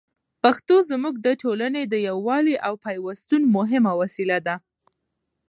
پښتو زموږ د ټولني د یووالي او پېوستون مهمه وسیله ده.